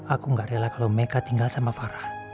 aku gak rela kalau mereka tinggal sama farah